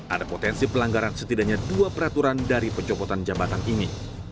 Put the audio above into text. ada potensi pelanggaran setidaknya dua peraturan dari pencopotan jabatan ini